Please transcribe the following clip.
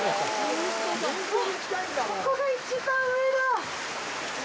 わっ、ここが一番上だ。